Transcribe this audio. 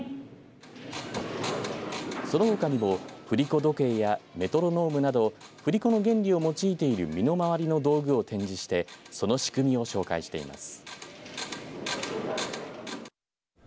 そのほかにも振り子時計やメトロノームなど振り子の原理を用いている身の回りの道具を展示してその仕組みを紹介しています。